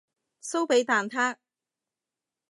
酥皮蛋撻